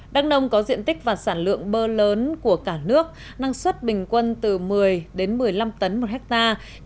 đắk nông có diện tích và sản lượng bơ lớn của cả nước năng suất bình quân từ một mươi đến một mươi năm tấn một hectare